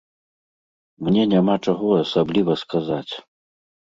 Мне няма чаго асабліва сказаць.